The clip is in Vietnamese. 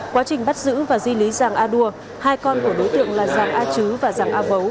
quá trình bắt giữ và di lý giàng a đua hai con của đối tượng là giàng a chứ và giàng a vấu